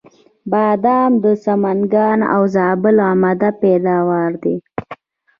بادام د سمنګان او زابل عمده پیداوار دی.